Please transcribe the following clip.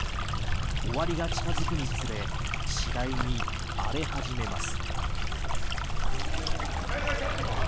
終わりが近付くにつれ次第に荒れ始めます。